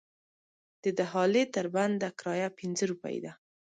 د دهالې تر بنده کرایه پنځه روپۍ ده.